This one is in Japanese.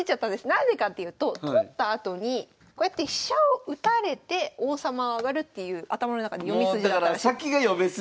何でかっていうと取ったあとにこうやって飛車を打たれて王様上がるっていう頭の中に読み筋があったらしいです。